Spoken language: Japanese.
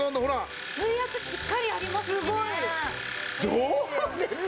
どうですか！？